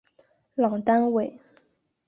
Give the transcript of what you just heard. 朗丹韦。